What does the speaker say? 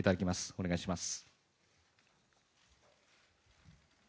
お願いします。